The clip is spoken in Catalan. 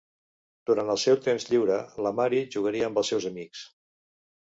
Durant el seu temps lliure la Mary jugaria amb els seus amics.